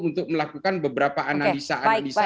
untuk melakukan beberapa analisa analisa